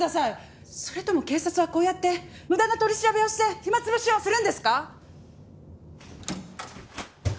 それとも警察はこうやって無駄な取り調べをして暇潰しをするんですか！？